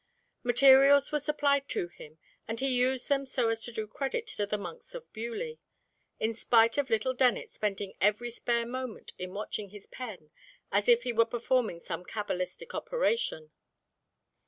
Materials were supplied to him, and he used them so as to do credit to the monks of Beaulieu, in spite of little Dennet spending every spare moment in watching his pen as if he were performing some cabalistic operation.